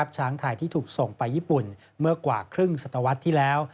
ช้างไทยที่ถูกส่งไปญี่ปุ่นเมื่อกว่าครึ่งศตวรรษที่แล้ว